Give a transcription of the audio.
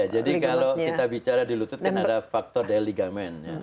ya jadi kalau kita bicara di lutut kan ada faktor dari ligamen